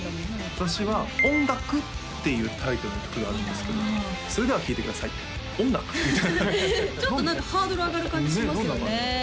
私は「音楽」っていうタイトルの曲があるんですけどそれでは聴いてください「音楽」みたいなちょっと何かハードル上がる感じしますよね